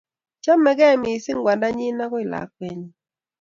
Chamegei missing kwandanyi ago lakwenyi